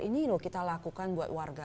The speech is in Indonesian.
ini loh kita lakukan buat warga